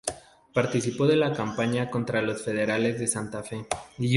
Participó de la campaña contra los federales de Santa Fe.